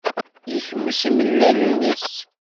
Yekmez imellalen-is